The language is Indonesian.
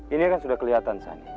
ini kan sudah kelihatan sana